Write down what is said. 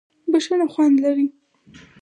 بښنه خوند لري.